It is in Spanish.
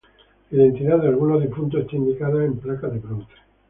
La identidad de algunos difuntos está indicada en placas de bronce.